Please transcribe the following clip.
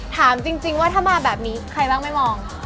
ถามจริงว่าถ้ามาแบบนี้ใครบ้างไม่มอง